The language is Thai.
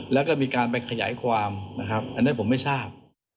แล้วก็มีการไปขยายความนะครับอันนั้นผมไม่ทราบ